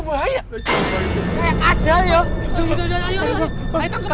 bahaya kayak ada lio